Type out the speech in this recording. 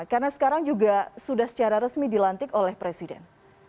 karena sekarang juga sudah secara resmi dilantik oleh presiden